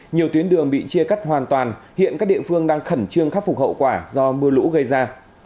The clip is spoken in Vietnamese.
nhiều tuyến đường bị chia cắt hoàn toàn hiện các địa phương đang khẩn trương khắc phục hậu quả do mưa lũ gây ra